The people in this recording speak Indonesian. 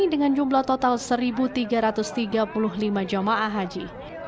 dengan jumlah total satu tiga ratus tiga puluh lima jemaah haji